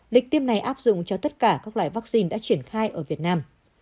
lịch tiêm này áp dụng cho tất cả các loại vaccine đã triển khai ở việt nam